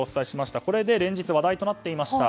連日話題となっていました。